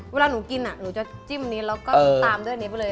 เวลาหนูกินหนูจะจิ้มนี้แล้วก็ตามด้วยอันนี้ไปเลย